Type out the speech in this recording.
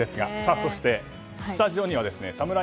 そして、スタジオにはサムライ